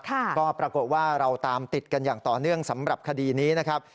ก็ปรากฏว่าเราตามติดกันอย่างต่อเนื่องสำหรับคดีนี้นะครับ